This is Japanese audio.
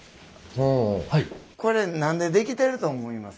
これ何で出来てると思います？